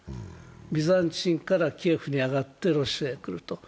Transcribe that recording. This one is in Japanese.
ビザンチンからキエフに上がってロシアへと。